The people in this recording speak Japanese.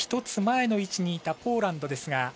１つ前の位置にいたポーランドですが。